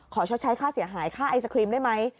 ชดใช้ค่าเสียหายค่าไอศครีมได้ไหม